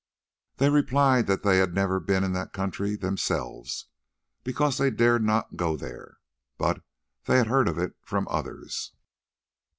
They replied that they had never been in that country themselves, because they dared not go there, but they had heard of it from others.